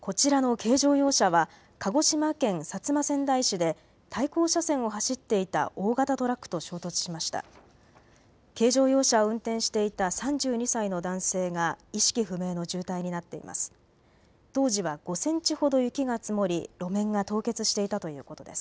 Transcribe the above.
軽乗用車を運転していた３２歳の男性が意識不明の重体になっています。